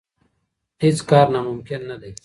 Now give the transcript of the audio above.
هيڅ کار ناممکن نه دی.